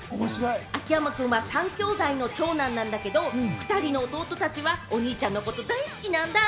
秋山君は３兄弟の長男なんだけど、２人の弟たちはお兄ちゃんのこと、大好きなんだ。